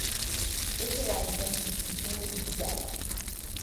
This arrangement has continued to date.